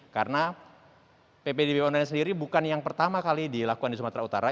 karena ppdb online sendiri bukan yang pertama kali dilakukan di sumatera utara